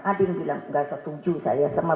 ada yang bilang nggak setuju saya sama